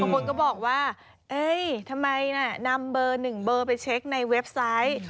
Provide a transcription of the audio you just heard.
คนก็บอกว่าทำไมน่ะนำเบอร์๑เบอร์ไปเช็คในเว็บไซต์